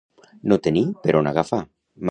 No tenir per on agafar.